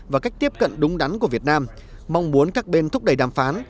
và cách tiếp cận đúng đắn của việt nam mong muốn các bên thúc đẩy đàm phán